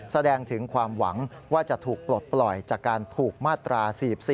แสดงถึงความหวังว่าจะถูกปลดปล่อยจากการถูกมาตรา๔๔